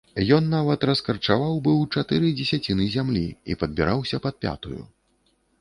Ён нават раскарчаваў быў чатыры дзесяціны зямлі і падбіраўся пад пятую.